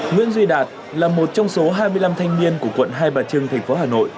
nguyễn duy đạt là một trong số hai mươi năm thanh niên của quận hai bà trưng thành phố hà nội